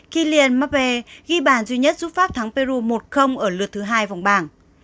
kylian mbappé ghi bản duy nhất giúp pháp thắng peru một ở lượt thứ hai vòng bảng